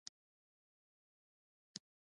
برښنا باید سپما شي